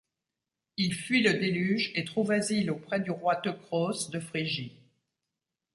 Il fuit le déluge et trouve asile auprès du roi Teucros de Phrygie.